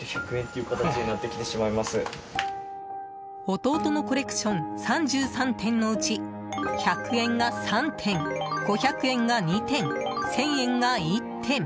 弟のコレクション３３点のうち１００円が３点、５００円が２点１０００円が１点。